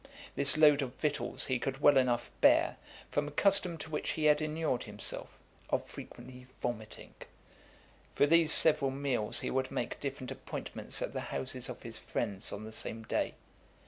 This load of victuals he could well enough bear, from a custom to which he had enured himself, of frequently vomiting. For these several meals he would make different appointments at the houses of his friends on the same day.